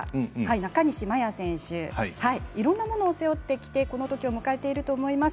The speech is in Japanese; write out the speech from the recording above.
中西麻耶選手、いろんなものを背負ってきて、このときを迎えていると思います。